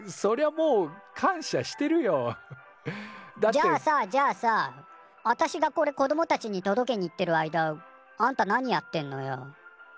じゃあさじゃあさあたしがこれ子どもたちに届けに行ってる間あんた何やってんのよ？